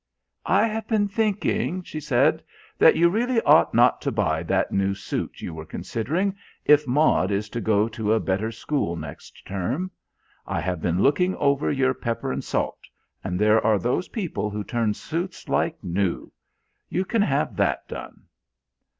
"I have been thinking," she said, "that you really ought not to buy that new suit you were considering if Maud is to go to a better school next term. I have been looking over your pepper and salt, and there are those people who turn suits like new. You can have that done."